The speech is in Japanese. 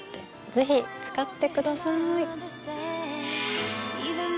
ぜひ使ってください。